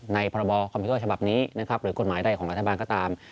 ในพรบคอมพิกเกอร์ฉบับนี้หรือกฎหมายใดของรัฐบาลก็ตาม